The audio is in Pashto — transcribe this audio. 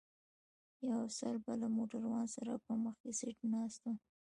یو افسر به له موټروان سره په مخکي سیټ ناست و.